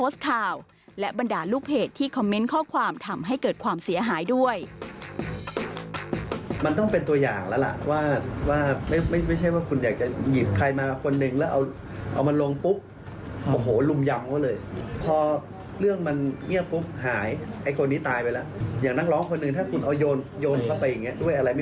อยากจะหยิบใครมากว่านึงแล้วเอามันลงปุ๊บ